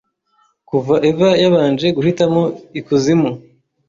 Kuva Eva yabanje guhitamo ikuzimu